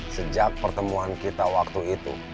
sejak pertemuan kita waktu itu